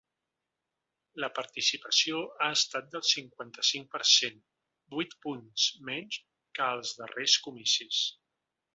La participació ha estat del cinquanta-cinc per cent, vuit punts menys que als darrers comicis.